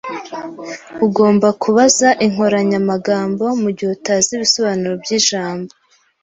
Ugomba kubaza inkoranyamagambo mugihe utazi ibisobanuro byijambo.